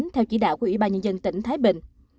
theo chỉ đạo của ủy ban nhân dân tỉnh thái bình